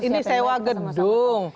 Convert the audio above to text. ini sewa gedung